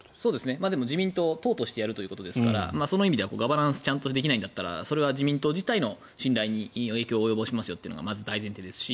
自民党は党としてやるということですからその意味ではガバナンスちゃんとできないんだったらそれは自民党自体の信頼に影響を及ぼすというのがまず大前提ですし